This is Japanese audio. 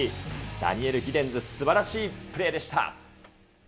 ダニエル・ギデンズ、すばらしいプレーでした。